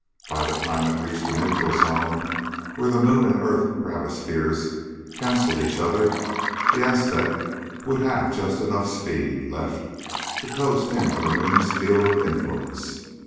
By the time it reached the neutral zone where the moon and earth gravispheres canceled each other, the Aztec would have just enough speed left to coast into the moon's field of influence.